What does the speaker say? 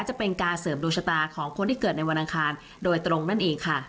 จะเป็นการเสริมดวงชะตาของคนที่เกิดในวันอังคารโดยตรงนั่นเองค่ะ